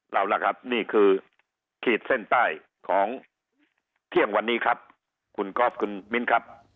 เอาล่ะครับนี่คือขีดเส้นใต้ของเที่ยงวันนี้ครับคุณกอล์ฟคุณมิ้นครับ